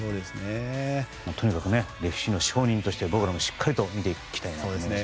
とにかく歴史の証人として僕らもしっかり見ていきたいですね。